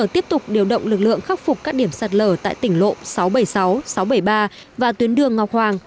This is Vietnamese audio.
tiếp tục điều động lực lượng khắc phục các điểm sạt lở tại tỉnh lộ sáu trăm bảy mươi sáu sáu trăm bảy mươi ba và tuyến đường ngọc hoàng